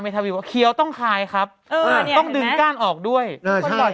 วิวว่าเคี้ยวต้องคายครับเออต้องดึงก้านออกด้วยเออใช่